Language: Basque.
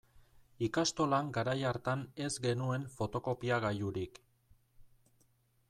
Ikastolan garai hartan ez genuen fotokopiagailurik.